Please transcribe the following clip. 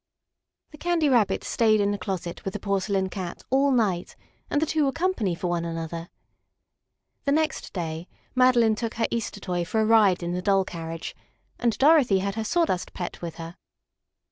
The Candy Rabbit stayed in the closet with the Porcelain Cat all night, and the two were company for one another. The next day Madeline took her Easter toy for a ride in the doll carriage, and Dorothy had her Sawdust pet with her.